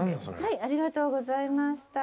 ありがとうございます。